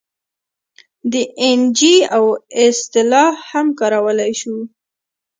د این جي او اصطلاح هم کارولی شو.